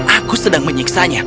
aku sedang menyiksanya